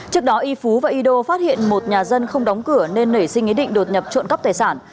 trước đó yifu và yido phát hiện một nhà dân không đóng cửa nên nể sinh ý định đột nhập trộn cắp tài sản